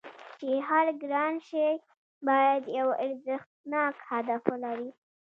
چې هر ګران شی باید یو ارزښتناک هدف ولري